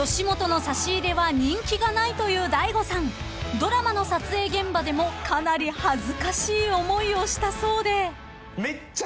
［ドラマの撮影現場でもかなり恥ずかしい思いをしたそうで］